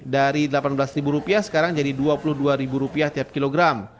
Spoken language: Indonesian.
dari rp delapan belas sekarang jadi rp dua puluh dua tiap kilogram